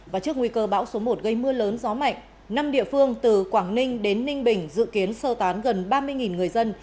và trước nguy cơ bão số một gây mưa lớn gió mạnh năm địa phương từ quảng ninh đến ninh bình dự kiến sơ tán gần ba mươi người dân